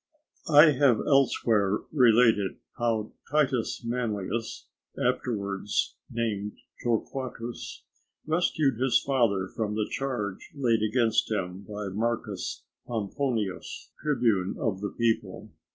_ I have elsewhere related how Titus Manlius, afterwards named Torquatus, rescued his father from the charge laid against him by Marcus Pomponius, tribune of the people.